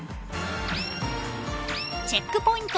［チェックポイント